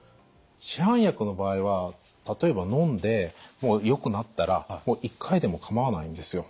市販薬の場合は例えばのんでよくなったら１回でもかまわないんですよ。